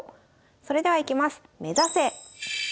それではいきます。